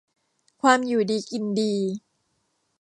ความอยู่ดีกินดี